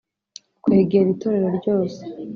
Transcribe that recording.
kwegera itorero ryose,